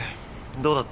どうだった？